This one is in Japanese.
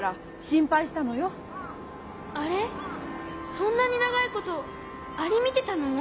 そんなにながいことアリみてたの？